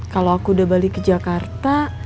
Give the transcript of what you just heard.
kalau aku udah balik ke jakarta